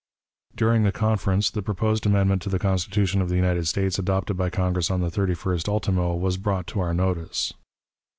"During the conference, the proposed amendment to the Constitution of the United States adopted by Congress on the 31st ultimo was brought to our notice.